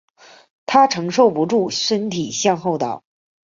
她承受不住身体向后倒